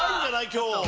今日。